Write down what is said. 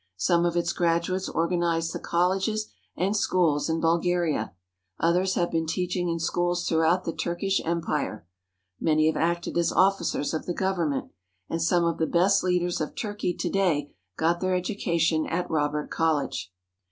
Some of its graduates or ganized the colleges and schools in Bulgaria. Others have been teaching in schools throughout the Turkish Empire; many have acted as officers of the Government, and some of the best leaders of Turkey to day got their education at Robert College.